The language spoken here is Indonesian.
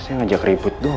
saya ngajak ribet dulu